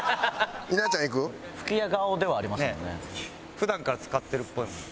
普段から使ってるっぽいもん。